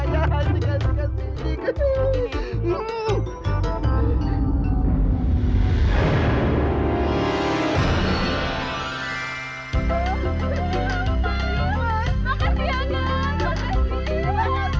ya kita mau ke sana